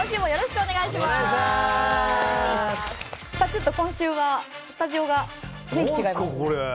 ちょっと今週はスタジオが雰囲気違いますね。